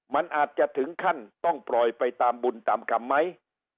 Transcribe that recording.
มันอาจจะถึงขั้นต้องปล่อยไปตามบุญตามกรรมไหม